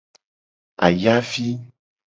Ayavi.